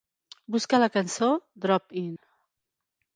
Busca la cançó "Drop-In".